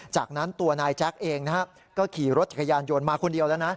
จากนั้นตัวนายแจ๊คเองนะฮะก็ขี่รถจักรยานยนต์มาคนเดียวแล้วนะ